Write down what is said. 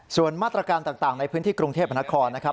ส่วนมาตรการต่างในพื้นที่กรุงเทพนครนะครับ